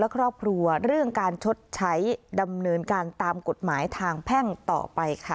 และครอบครัวเรื่องการชดใช้ดำเนินการตามกฎหมายทางแพ่งต่อไปค่ะ